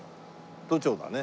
都庁だね。